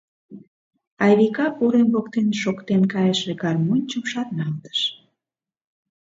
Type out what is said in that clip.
— Айвика урем воктен шоктен кайыше гармоньчым шарналтыш.